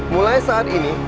mulai saat ini